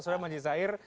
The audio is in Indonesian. sudah masih cair